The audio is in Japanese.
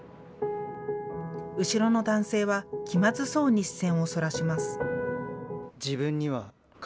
後ろの男性は気まずそうに視線をそらします。